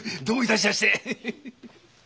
どういたしやして。